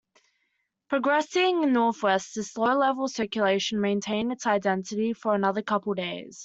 Progressing northwest, this low level circulation maintained its identity for another couple days.